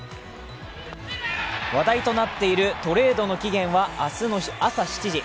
話題となっているトレードの期限は明日の朝７時。